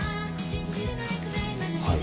はい。